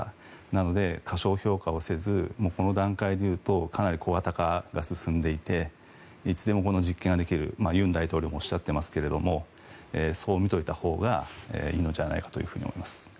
なので、過小評価をせずこの段階で言うとかなり小型化が進んでいていつでも実験ができる尹大統領もおっしゃっていますがそう見ておいたほうがいいのではないかと思います。